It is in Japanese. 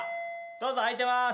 どうぞあいてます。